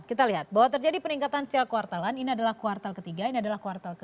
kita lihat bahwa terjadi peningkatan secara kuartalan ini adalah kuartal ke tiga ini adalah kuartal ke dua